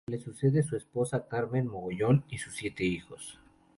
Le sucede su esposa Carmen Mogollón y sus siete hijos.